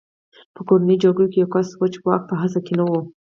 په کورنیو جګړو کې یو کس و چې واک په هڅه کې نه و